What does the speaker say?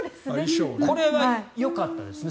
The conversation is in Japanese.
これはよかったですね。